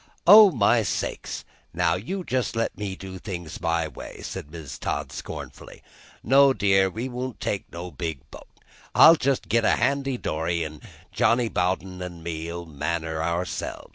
"Oh, my sakes! now you let me do things my way," said Mrs. Todd scornfully. "No, dear, we won't take no big bo't. I'll just git a handy dory, an' Johnny Bowden an' me, we'll man her ourselves.